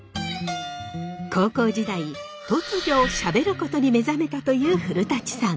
高校時代突如しゃべることに目覚めたという古さん。